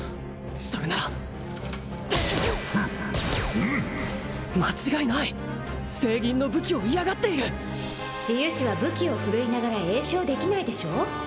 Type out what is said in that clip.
それなら間違いない聖銀の武器を嫌がっている治癒士は武器を振るいながら詠唱できないでしょう